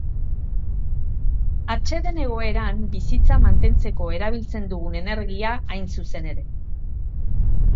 Atseden egoeran bizitza mantentzeko erabiltzen dugun energia hain zuzen ere.